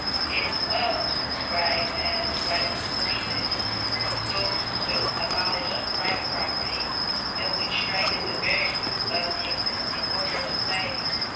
It is well to describe as radical socialists those who would abolish private property, and would strike at the very root of the existing order of society.